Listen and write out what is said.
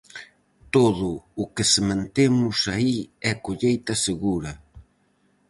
Todo o que sementemos aí é colleita segura.